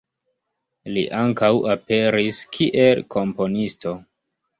Li ankaŭ aperis kiel komponisto.